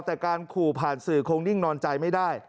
แต่การขู่ผ่านสื่อคงนิ่งนอนใจไม่ได้